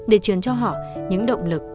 để truyền cho họ những động lực